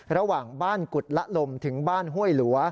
ระหว่างบ้านกุฎละลมถึงบ้านห้วยหลัว